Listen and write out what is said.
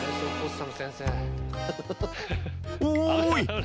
おい！